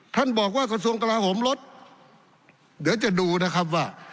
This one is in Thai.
ท่านบอกว่ากระทรวงกลาโหมลดเดี๋ยวจะดูนะครับว่า